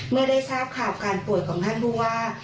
เมื่อได้ทราบข่าวการป่วยของท่านผู้ว่า